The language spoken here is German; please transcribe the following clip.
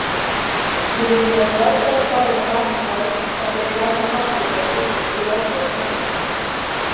Sie bestehen aus Werkzeugstahl oder Hartmetall, das durch Schleifen aufgeraut ist, oder aus Keramik.